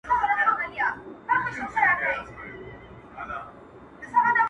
پرېږده چي دا سره لمبه په خوله لري-